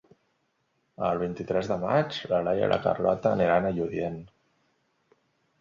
El vint-i-tres de maig na Laia i na Carlota iran a Lludient.